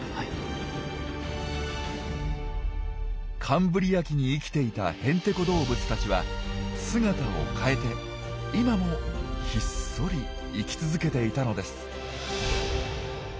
カンブリア紀に生きていたヘンテコ動物たちは姿を変えて今もひっそり生き続けていたのです。